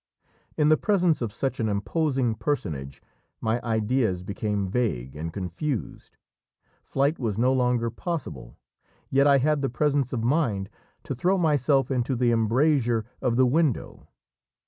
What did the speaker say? In the presence of such an imposing personage my ideas became vague and confused. Flight was no longer possible, yet I had the presence of mind to throw myself into the embrasure of the window.